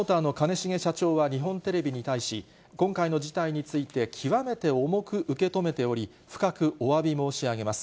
重社長は、日本テレビに対し、今回の事態について、極めて重く受け止めており、深くおわび申し上げます。